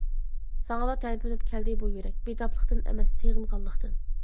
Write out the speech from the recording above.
ساڭىلا تەلپۈنۈپ كەلدى بۇ يۈرەك، بىتاپلىقتىن ئەمەس، سېغىنغانلىقتىن.